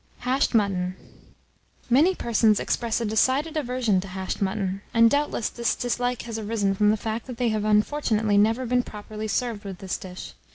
HASHED MUTTON. Many persons express a decided aversion to hashed mutton; and, doubtless, this dislike has arisen from the fact that they have unfortunately never been properly served with this dish.